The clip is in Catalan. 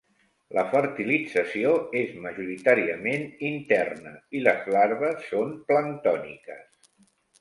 La fertilització és majoritàriament interna i les larves són planctòniques.